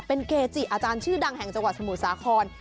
เป็นเกจิอาจารย์ชื่อดังแห่งจังหวัดสมุทรสาคร